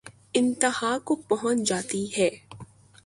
انتہا کو پہنچ جاتی ہے